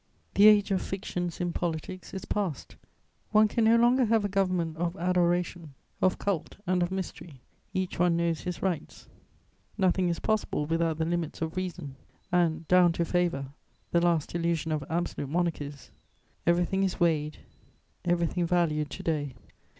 The age of fictions in politics is past: one can no longer have a government of adoration, of cult and of mystery; each one knows his rights; nothing is possible without the limits of reason; and, down to favour, the last illusion of absolute monarchies, everything is weighed, everything valued to day.